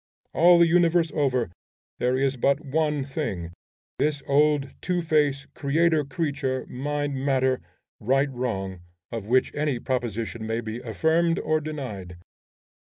All the universe over, there is but one thing, this old Two Face, creator creature, mind matter, right wrong, of which any proposition may be affirmed or denied.